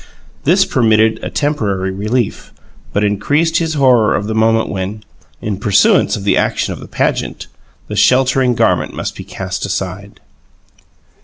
This permitted a temporary relief, but increased his horror of the moment when, in pursuance of the action of the "pageant," the sheltering garment must be cast aside.